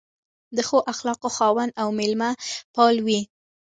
د ښو اخلاقو خاوند او مېلمه پال و.